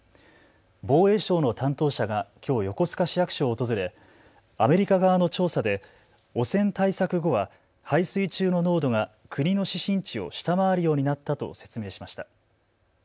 防衛省の担当者がきょう横須賀市役所を訪れアメリカ側の調査で汚染対策後は排水中の濃度が国の指針値を下回るようになったと説明しました。